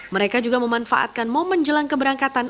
mereka juga memanfaatkan momen jelang keberangkatan